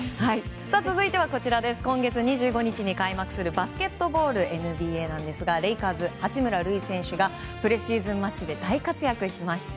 続いては今月２５日に開幕するバスケットボールＮＢＡなんですがレイカーズ、八村塁選手がプレシーズンマッチで大活躍しました。